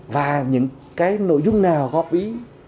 và những cái nội dung nào góp ý